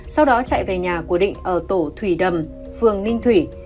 sau đó chạy về nhà của định ở tổ thủy đầm phường ninh thủy